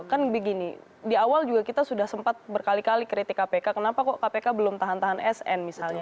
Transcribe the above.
kan begini di awal juga kita sudah sempat berkali kali kritik kpk kenapa kok kpk belum tahan tahan sn misalnya